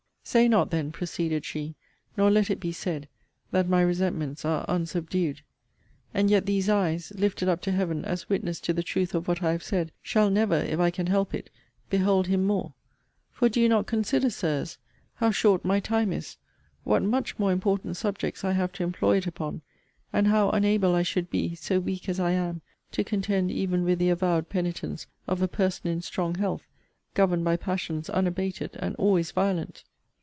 Say not, then, proceeded she, nor let it be said, that my resentments are unsubdued! And yet these eyes, lifted up to Heaven as witness to the truth of what I have said, shall never, if I can help it, behold him more! For do you not consider, Sirs, how short my time is; what much more important subjects I have to employ it upon; and how unable I should be, (so weak as I am,) to contend even with the avowed penitence of a person in strong health, governed by passions unabated, and always violent?